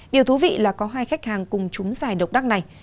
điều thú vị là có hai khách hàng cùng chúng giải độc đắc này